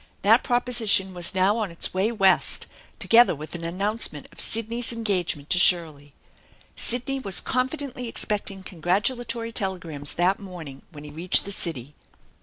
That proposition was now on its way West, together with an an nouncement of Sidney's engagement to Shirley. Sidney was confidently expecting congratulatory telegrams that morning when he reached the city.